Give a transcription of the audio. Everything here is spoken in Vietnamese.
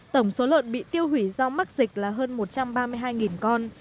tổng số lợn bị tiêu hủy do mắc dịch là hơn một trăm ba mươi hai con